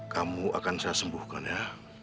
kamu akan saya sembuhkan ya